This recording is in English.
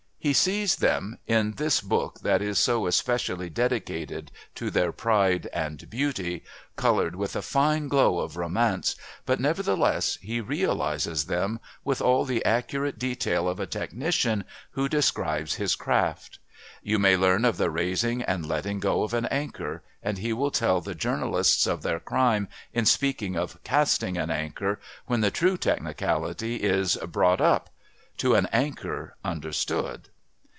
He sees them, in this book that is so especially dedicated to their pride and beauty, coloured with a fine glow of romance, but nevertheless he realises them with all the accurate detail of a technician who describes his craft. You may learn of the raising and letting go of an anchor, and he will tell the journalists of their crime in speaking of "casting" an anchor when the true technicality is "brought up" "to an anchor" understood.